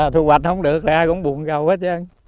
thu hoạch không được là ai cũng buồn gầu hết